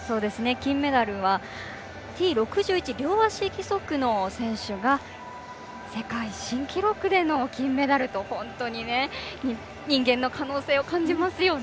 金メダルはＴ６１両足義足の選手が世界新記録での金メダルと本当に人間の可能性感じますよね。